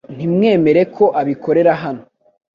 Ntiwemerewe ko abikorera hano .